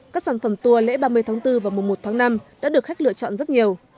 các sản phẩm tour lễ ba mươi tháng bốn và mùa một tháng năm đã được khách lựa chọn rất nhiều